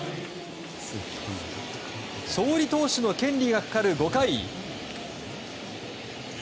勝利投手の権利がかかる５回。